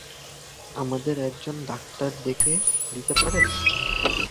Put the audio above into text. আমাদের একজন ডাক্তার ডেকে দিতে পারেন?